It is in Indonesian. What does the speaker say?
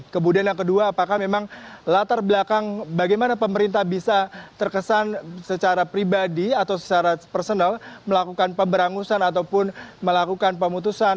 kemudian yang kedua apakah memang latar belakang bagaimana pemerintah bisa terkesan secara pribadi atau secara personal melakukan pemberangusan ataupun melakukan pemutusan